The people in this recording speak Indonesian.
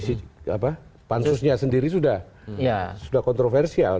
keberadaan komisi pansusnya sendiri sudah kontroversial